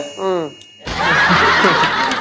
อืม